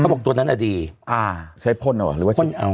เขาบอกตัวนั้นน่ะดีอ่าใช้พลอ๋อหรือว่าพลเอา